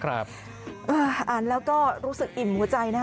อ่านแล้วก็รู้สึกอิ่มหัวใจนะคะ